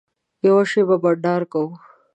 یوه شېبه بنډار کوو.